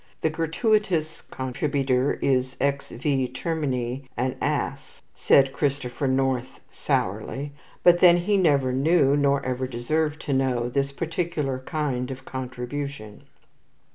"The gratuitous contributor is, ex vi termini, an ass," said Christopher North sourly; but then he never knew, nor ever deserved to know, this particular kind of contribution.